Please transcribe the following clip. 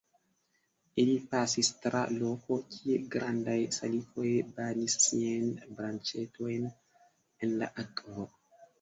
Ili pasis tra loko, kie grandaj salikoj banis siajn branĉetojn en la akvo.